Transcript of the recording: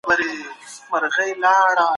ښه ذهنیت خپګان نه راوړي.